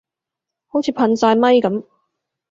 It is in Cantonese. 好似噴曬咪噉